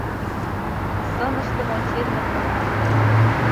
Сыныштым ончен модмына шу